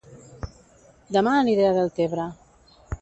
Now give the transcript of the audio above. Dema aniré a Deltebre